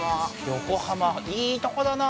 ◆横浜、いいところだな。